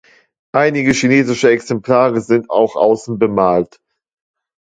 Einige chinesische Exemplare sind auch außen bemalt.